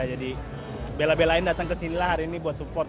jadi bela belain datang kesinilah hari ini buat support